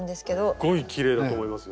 すっごいきれいだと思いますよ。